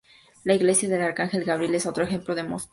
La iglesia del Arcángel Gabriel es otro ejemplo en Moscú.